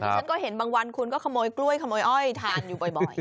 ฉันก็เห็นบางวันคุณก็ขโมยกล้วยขโมยอ้อยทานอยู่บ่อย